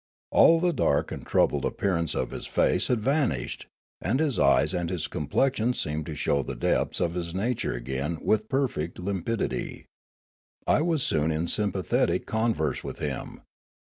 All the dark and troubled appearance of his face had van ished, and his eyes and his complexion seemed to show the depths of his nature again with perfect lim pidity. I was soon in sympathetic converse with him.